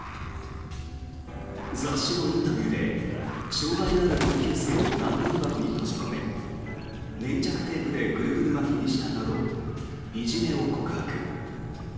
雑誌のインタビューで障害のある同級生を段ボール箱に閉じ込め粘着テープでぐるぐる巻きにしたなどいじめを告白。